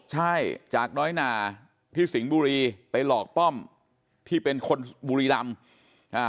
ใช่จากน้อยหนาที่สิงห์บุรีไปหลอกป้อมที่เป็นคนบุรีรำอ่า